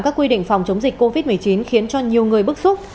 các quy định phòng chống dịch covid một mươi chín khiến cho nhiều người bức xúc